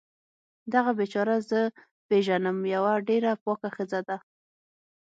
دغه بیچاره زه پیږنم یوه ډیره پاکه ښځه ده